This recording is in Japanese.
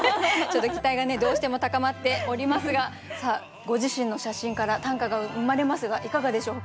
ちょっと期待がねどうしても高まっておりますがご自身の写真から短歌が生まれますがいかがでしょう？